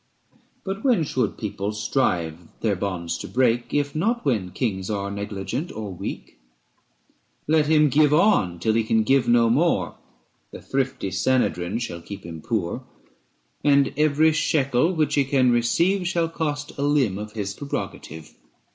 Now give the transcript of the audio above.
But when should people strive their bonds to break, If not when kings are negligent or weak ? Let him give on till he can give no more, The thrifty Sanhedrin shall keep him poor; 390 And every shekel which he can receive Shall cost a limb of his prerogative.